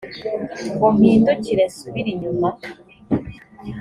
ngo mpindukire nsubire inyuma?